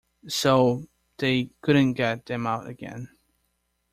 So they couldn’t get them out again.